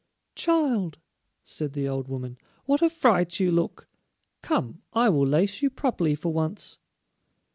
"Child," said the old woman, "what a fright you look! Come, I will lace you properly for once."